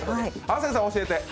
亜生さん、教えて！